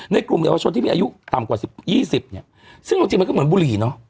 กลุ่มเยาวชนที่มีอายุต่ำกว่าสิบยี่สิบเนี่ยซึ่งเอาจริงมันก็เหมือนบุหรี่เนอะ